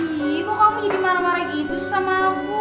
ih kok kamu jadi marah marah gitu sih sama aku